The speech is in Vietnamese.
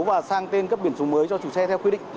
và sang tên cấp biển số mới cho chủ xe theo quy định